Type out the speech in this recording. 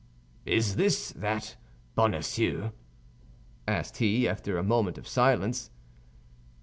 "Is this that Bonacieux?" asked he, after a moment of silence.